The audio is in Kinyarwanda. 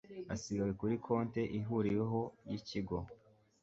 asigaye kuri konti ihuriweho y ikigo